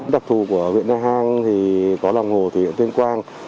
đặc thù của viện nga hàng thì có lòng hồ thủy điện tuyên quang